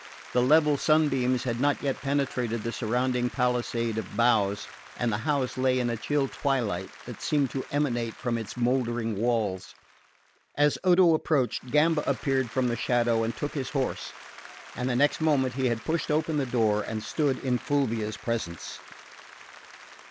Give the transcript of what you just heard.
The level sunbeams had not yet penetrated the surrounding palisade of boughs, and the house lay in a chill twilight that seemed an emanation from its mouldering walls. As Odo approached, Gamba appeared from the shadow and took his horse; and the next moment he had pushed open the door, and stood in Fulvia's presence.